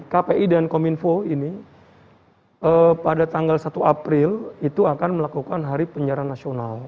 kpi dan kominfo ini pada tanggal satu april itu akan melakukan hari penyiaran nasional